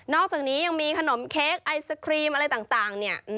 อกจากนี้ยังมีขนมเค้กไอศครีมอะไรต่างเนี่ย